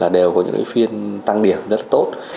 đều có những phiên tăng điểm rất tốt